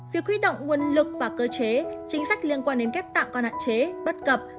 việc huy động nguồn lực và cơ chế chính sách liên quan đến ghép tạng còn hạn chế bất cập